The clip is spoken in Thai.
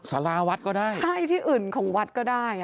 สาราวัดก็ได้ใช่ที่อื่นของวัดก็ได้